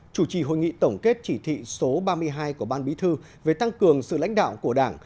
chủ trì hội nghị tổng kết chỉ thị số ba mươi hai của ban bí thư về tăng cường sự lãnh đạo của đảng